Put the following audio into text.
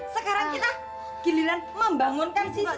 sekarang kita giliran membangunkan si seti